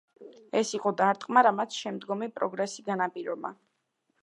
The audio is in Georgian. ეს იყო დარტყმა, რამაც შემდგომი პროგრესი განაპირობა.